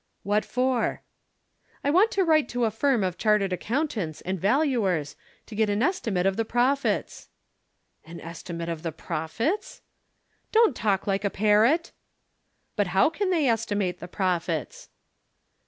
"'"What for?" "'"I want to write to a firm of Chartered Accountants and Valuers to give an estimate of the profits!" "'"An estimate of the profits?" "'"Don't talk like a parrot!" "'"But how can they estimate the profits?"